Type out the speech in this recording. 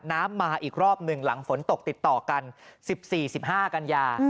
น้ำมาอีกรอบ๑หลังฝนตกติดต่อกัน๑๔๑๕กันยา